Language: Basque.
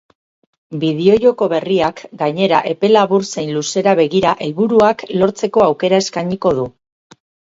Bideojoko berriak gainera epe labur zein luzera begira helburuak lortzeko aukera eskainiko du.